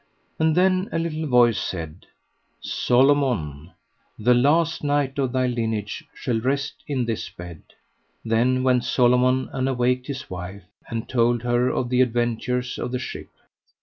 And then a little voice said: Solomon, the last knight of thy lineage shall rest in this bed. Then went Solomon and awaked his wife, and told her of the adventures of the ship.